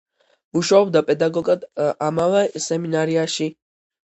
მუშაობდა პედაგოგად ამავე სემინარიაში.